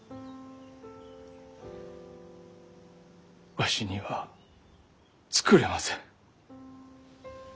わしには作れません。